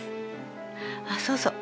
あっそうそう